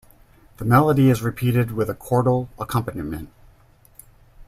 The melody is repeated with a chordal accompaniment.